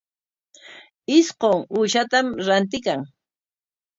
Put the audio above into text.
Isqun uushatam rantiykan.